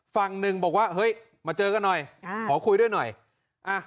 ฝั่งหนึ่งบอกว่าเฮ้ยมาเจอกันหน่อยอ่าขอคุยด้วยหน่อยอ่ะ